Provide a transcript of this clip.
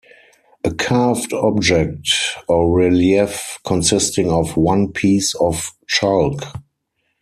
A carved object or relief consisting of one piece of chalk.